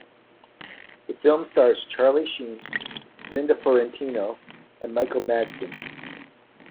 The film stars Charlie Sheen, Linda Fiorentino, and Michael Madsen.